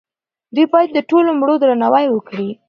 دوی باید د ټولو مړو درناوی وکړي.